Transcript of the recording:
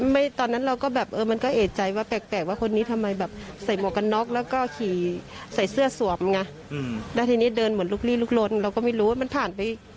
ไม่เคยไม่เคยเห็น